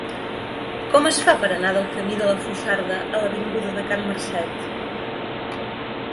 Com es fa per anar del camí de la Foixarda a l'avinguda de Can Marcet?